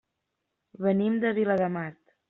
Venim de Viladamat.